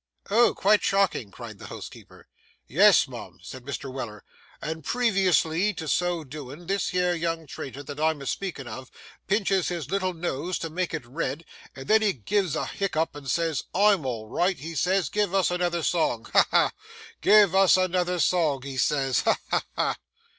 'O, quite shocking!' cried the housekeeper, 'Yes, mum,' said Mr. Weller; 'and previously to so doin', this here young traitor that I'm a speakin' of, pinches his little nose to make it red, and then he gives a hiccup and says, "I'm all right," he says; "give us another song!" Ha, ha! "Give us another song," he says. Ha, ha, ha!